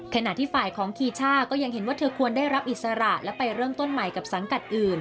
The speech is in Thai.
ขณะที่ฝ่ายของคีช่าก็ยังเห็นว่าเธอควรได้รับอิสระและไปเริ่มต้นใหม่กับสังกัดอื่น